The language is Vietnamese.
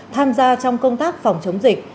tham gia trong công tác phòng chống dịch